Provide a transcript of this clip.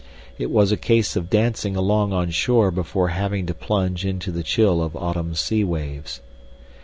It was a case of dancing along on shore before having to plunge into the chill of autumn sea waves.